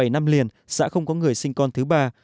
bảy năm liền xã không có người sinh con thứ ba